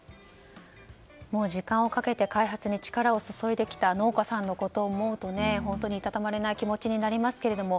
もう時間をかけて開発に力を注いできた農家さんのことを思うと本当にいたたまれない気持ちになりますけれども。